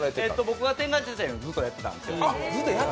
僕が天下茶屋店をずっとやってたんですよ。